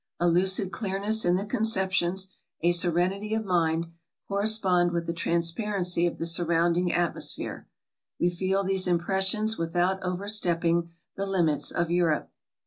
A lucid clearness in the conceptions, a serenity of mind, correspond with the trans parency of the surrounding atmosphere. We feel these im pressions without overstepping the limits of Europe.